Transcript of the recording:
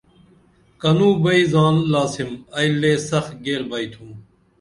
کنوں بئی زان لاسم ائی لے سخ گیر بئی تُھم